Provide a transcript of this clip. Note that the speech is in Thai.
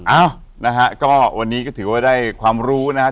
เอ้านะฮะก็วันนี้ก็ถือว่าได้ความรู้นะครับ